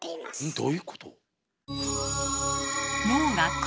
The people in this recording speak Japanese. どういうこと？